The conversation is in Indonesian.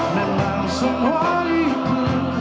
namun semua itu